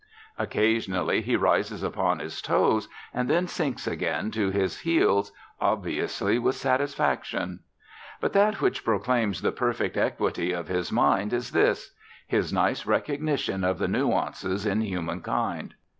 Occasionally he rises upon his toes, and then sinks again to his heels obviously with satisfaction. But that which proclaims the perfect equity of his mind is this: his nice recognition of the nuances in human kind.